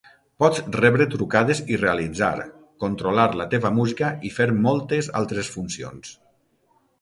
Pots rebre trucades i realitzar, controlar la teva música i fer moltes altres funcions.